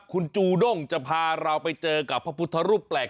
คุณจูด้งจะพาเราไปเจอกับพระพุทธรูปแปลก